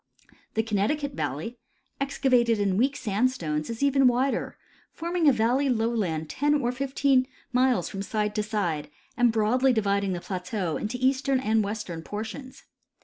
The Connecticut valley, excavated in weak sand stones, is even wider, forming a valley loAvland ten or fifteen miles from side to side and broadly dividing the plateau into eastern and western portions.